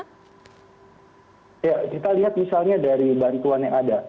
ya kita lihat misalnya dari bantuan yang ada